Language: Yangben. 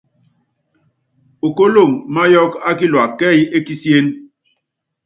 Okóloŋ máyɔɔ́k á kilua kɛ́ɛ́y é kisíén.